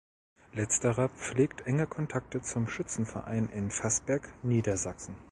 Letzterer pflegt enge Kontakte zum Schützenverein in Faßberg, Niedersachsen.